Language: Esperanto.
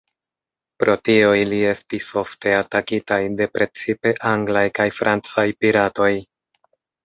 Pro tio ili estis ofte atakitaj de precipe anglaj kaj francaj piratoj.